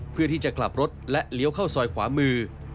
เพื่อที่จะกลับรถและเลี้ยวเข้าซอยขวามือ